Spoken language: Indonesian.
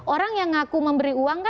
orang yang ngaku memberi uang kan